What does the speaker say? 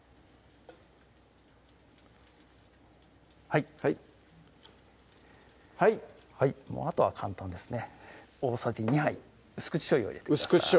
はいはいはいあとは簡単ですね大さじ２杯薄口しょうゆを入れてください